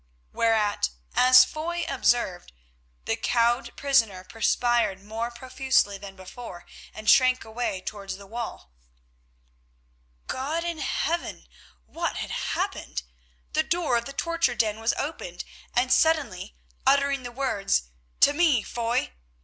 Whereat, as Foy observed, the cowed prisoner perspired more profusely than before, and shrank away towards the wall. God in Heaven! What had happened? The door of the torture den was opened, and suddenly, uttering the words, "_To me, Foy!